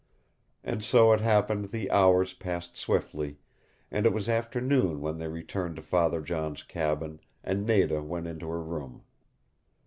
And so it happened the hours passed swiftly, and it was afternoon when they returned to Father John's cabin, and Nada went into her room.